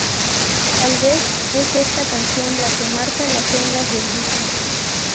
Tal vez es esta canción la que marca las sendas del disco.